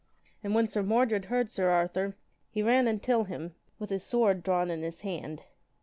And when Sir Mordred heard Sir Arthur, he ran until him with his sword drawn in his hand.